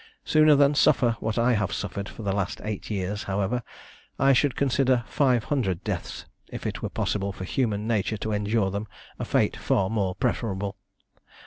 Sooner than suffer what I have suffered for the last eight years, however, I should consider five hundred deaths, if it were possible for human nature to endure them, a fate far more preferable.